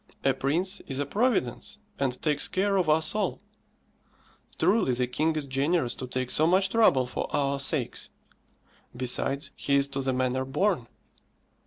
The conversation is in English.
A prince is a providence, and takes care of us all. Truly the king is generous to take so much trouble for our sakes. Besides, he is to the manner born.